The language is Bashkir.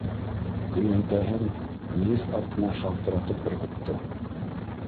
Көйәнтәһен мейес артына шалтыратып ырғытты.